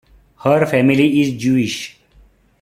Her family is Jewish.